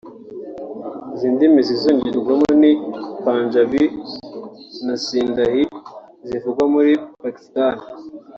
Izi ndimi zizongerwamo ni Panjābī na Sindhi zivugwa muri Pakistan